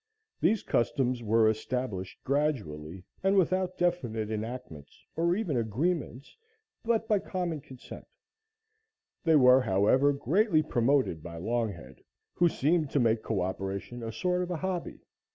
These customs were established gradually and without definite enactments, or even agreements, but by common consent; they were, however, greatly promoted by Longhead, who seemed to make coöperation a sort of a hobby.